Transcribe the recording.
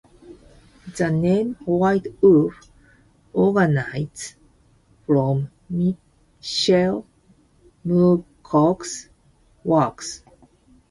The name "White Wolf" originates from Michael Moorcock's works.